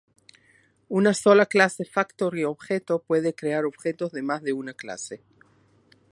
Una sola clase "Factory" objeto puede crear objetos de más de una clase.